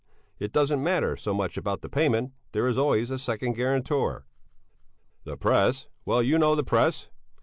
It doesn't matter so much about the payment, there is always a second guarantor. The Press well, you know the Press.